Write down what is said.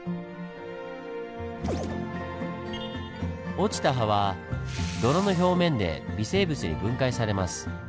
落ちた葉は泥の表面で微生物に分解されます。